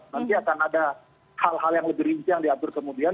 nanti akan ada hal hal yang lebih rinci yang diatur kemudian